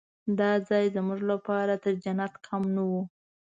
دا ځای زموږ لپاره تر جنت کم نه و.